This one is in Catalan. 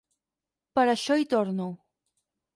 Per això hi torno.